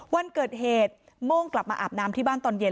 วันเกิดเหตุโม่งกลับมาอาบน้ำที่บ้านตอนเย็น